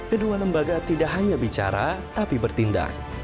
kedua lembaga tidak hanya bicara tapi bertindak